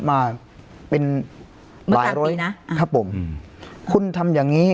มาเป็นหลายร้อยนะครับผมคุณทำอย่างงี้